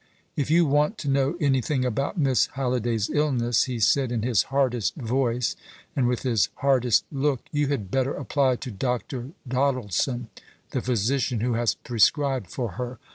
"If you want to know anything about Miss Halliday's illness," he said in his hardest voice, and with his hardest look, "you had better apply to Dr. Doddleson, the physician who has prescribed for her.